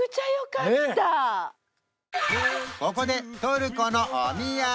ここでトルコのお土産